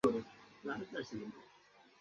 তিনি অরুণাচল বিধানসভায় বিরোধী দলীয় নেতা ছিলেন।